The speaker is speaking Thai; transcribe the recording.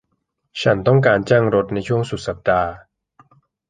ฉันต้องการจ้างรถในช่วงสุดสัปดาห์